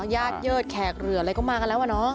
ค่ะญาติเยือดแขกเหลืออะไรก็มามั้งแล้ววะน้อง